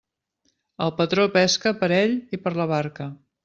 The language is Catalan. El patró pesca per ell i per la barca.